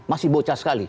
masih bocah sekali